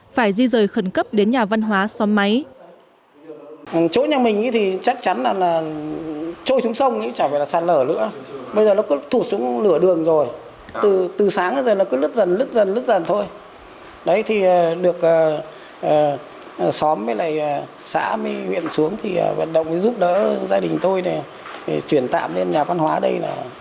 phải di rời khẩn cấp đến nhà văn hóa xóm máy